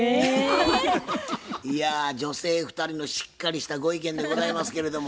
いや女性２人のしっかりしたご意見でございますけれども。